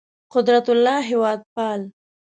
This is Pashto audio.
قدرت الله هېوادپال